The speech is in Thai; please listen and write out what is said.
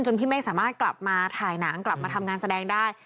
พี่เมฆสามารถกลับมาถ่ายหนังกลับมาทำงานแสดงได้